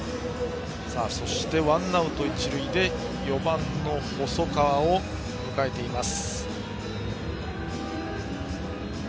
そしてワンアウト、一塁で４番の細川を迎えています。